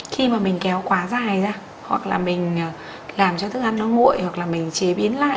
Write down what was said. khi mà mình kéo quá dài ra hoặc là mình làm cho thức ăn nó mụi hoặc là mình chế biến lại